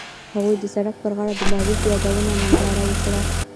هغوی د سړک پر غاړه د محبوب یادونه ننداره وکړه.